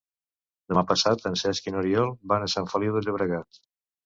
Demà passat en Cesc i n'Oriol van a Sant Feliu de Llobregat.